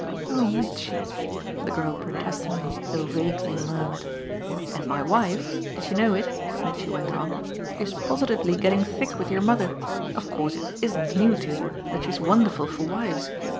"Oh Mitchy!" the girl protestingly though vaguely murmured. "And my wife did you know it?" Mitchy went on, "is positively getting thick with your mother. Of course it isn't new to you that she's wonderful for wives.